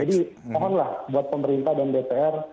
jadi mohonlah buat pemerintah dan dpr